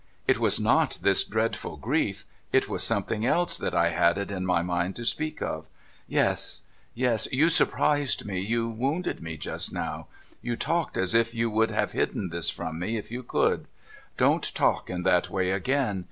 ' It was not this dreadful grief — it was something else that I had it in my mind to speak of. Yes, yes. You surprised me — you wounded me just now. You talked as if you would have hidden this from me, if you could. Don't talk in that way again.